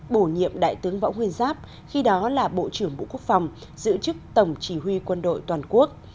bổ nhiệm đại tướng võ nguyên giáp khi đó là bộ trưởng bộ quốc phòng giữ chức tổng chỉ huy quân đội toàn quốc